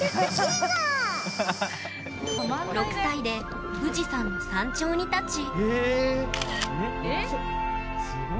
６歳で富士山の山頂に立ち。